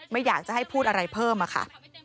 ไม่อยากจะให้พูดอะไรเพิ่มอะค่ะ